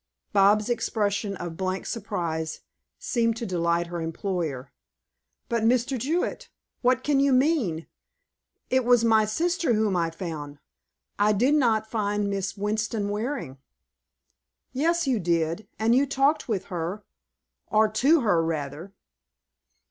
Bobs' expression of blank surprise seemed to delight her employer. "But, Mr. Jewett, what can you mean? It was my sister whom I found. I did not find Miss Winston Waring." "Yes you did, and you talked with her, or to her, rather."